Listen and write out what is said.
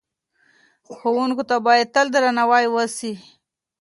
ښوونکو ته باید تل درناوی وسي.